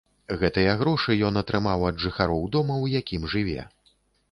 Гэтыя грошы ён атрымаў ад жыхароў дома, у якім жыве.